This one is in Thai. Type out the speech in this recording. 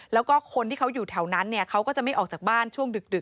แล้วก็คนที่เขาอยู่แถวนั้นเนี่ยเขาก็จะไม่ออกจากบ้านช่วงดึก